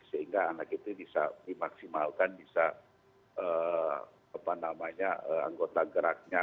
sehingga anak itu bisa dimaksimalkan bisa anggota geraknya